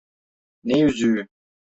Ne yüzüğü?